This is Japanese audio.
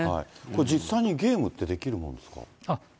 これ、実際にゲームってできるもんですか。